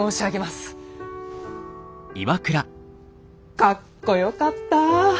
かっこよかったぁ！